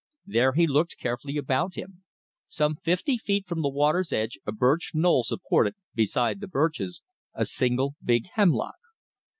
There he looked carefully about him. Some fifty feet from the water's edge a birch knoll supported, besides the birches, a single big hemlock.